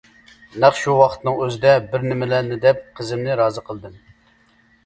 نەق شۇ ۋاقىتنىڭ ئۆزىدە بىر نېمىلەرنى دەپ قىزىمنى رازى قىلدىم.